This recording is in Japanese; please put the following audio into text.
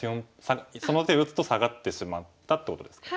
その手を打つと下がってしまったってことですか。